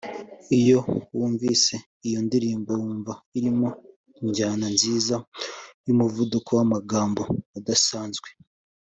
Iyo wumvise iyo ndirimbo wumva irimo injyana nziza n’umuvuduko w’amagambo udasanzwe